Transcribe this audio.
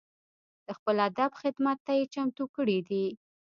د خپل ادب خدمت ته یې چمتو کړي دي.